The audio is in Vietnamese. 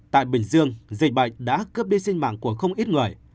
tại bình dương dịch bệnh đã cướp đi sinh mạng của không ít người